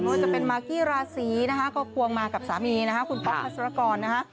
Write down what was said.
ว่าจะเป็นมากกี้ราศีนะคะก็ควงมากับสามีนะคะคุณป๊อกพัศรกรนะฮะ